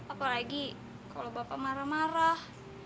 apalagi kalau bapak marah marah